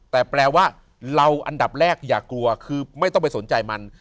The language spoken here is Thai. แต่แปลว่าเราอันดับแรกอย่ากลัวคือไม่ต้องไปสนใจมัน